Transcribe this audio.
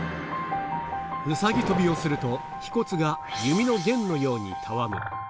うさぎ跳びをすると、腓骨が弓の弦のようにたわむ。